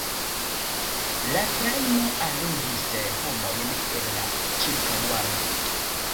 La trajno allogis homojn el la ĉirkaŭaĵo.